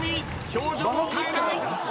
表情を変えない。